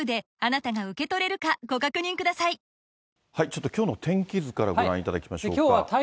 ちょっときょうの天気図からご覧いただきましょうか。